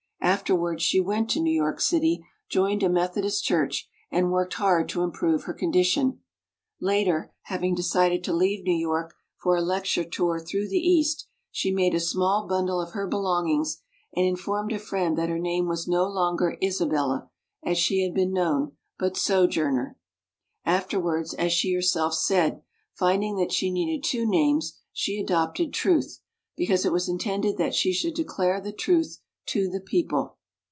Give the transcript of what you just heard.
Afterwards she went to New York City, joined a Methodist church, and worked hard to improve her condition. Later, having decided to leave New York for a lecture tour through the East, she made a small bundle of her belongings and INTRODUCTION 9 informed a friend that her name was no longer Isabella, as she had been known, but Sojourner. Afterwards, as she herself said, finding that she needed two names she adopted Truth, because it was intended that she should declare the truth to the people.